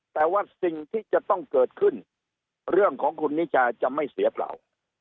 แต่ว่าสิ่งที่จะต้องเกิดขึ้นเรื่องของคุณนิชาจะไม่เสียเปล่า